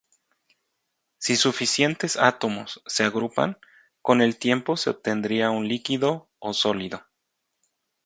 Si suficientes átomos se agrupan, con el tiempo se obtendría un líquido o sólido.